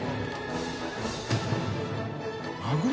マグロ。